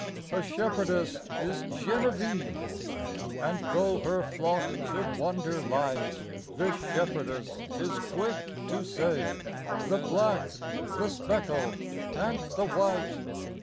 A shepherdess is Genevieve, And though her flock should wander light, This shepherdess is quick to save The black, the speckled and the white.